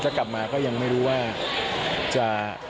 ถ้ากลับมาก็ยังไม่รู้ว่าจะ